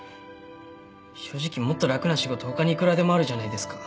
正直もっと楽な仕事他にいくらでもあるじゃないですか。